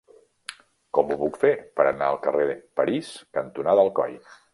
Com ho puc fer per anar al carrer París cantonada Alcoi?